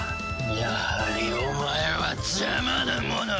やはりお前は邪魔な者。